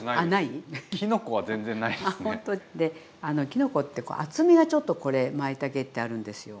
きのこって厚みがちょっとこれまいたけってあるんですよ。